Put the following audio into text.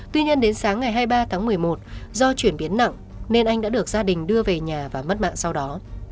tuy nhiên đến sáng ngày hai mươi ba tháng một mươi một do chuyển biến nặng nên anh đã được gia đình đưa về nhà và mất mạng sau đó